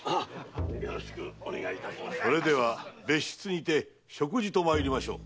それでは別室にて食事とまいりましょう。